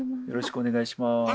よろしくお願いします。